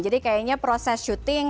jadi kayaknya proses syuting